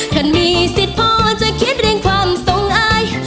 ท่านมีสิทธิ์พอจะคิดเรื่องความทรงอาย